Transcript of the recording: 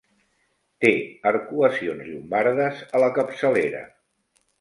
Té arcuacions llombardes a la capçalera.